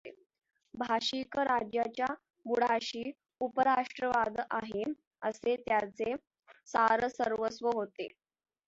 भाषिक राज्याच्या बुडाशी उपराष्ट्रवाद आहे असे त्याचे सारसर्वस्व होते.